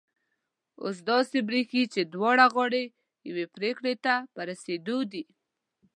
اوس داسي برېښي چي دواړه غاړې یوې پرېکړي ته په رسېدو دي